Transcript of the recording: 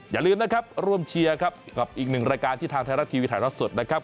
อย่าลืมนะครับร่วมเชียร์ครับกับอีกหนึ่งรายการที่ทางไทยรัฐทีวีถ่ายทอดสดนะครับ